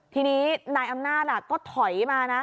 ทีนี้นายอำนาจก็ถอยมานะ